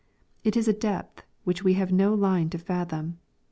It is a depth which we have no line to fathom.